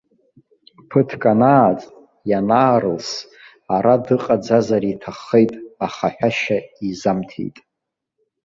Ԥыҭк анааҵ, ианаарылс, ара дыҟаӡазар иҭаххеит, аха ҳәашьа изамҭеит.